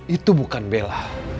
itu bukan bella